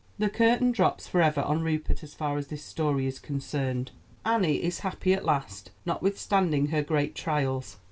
The curtain drops forever on Rupert as far as this story is concerned. Annie is happy at last, notwithstanding her great trials.